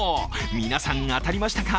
皆さん当たりましたか？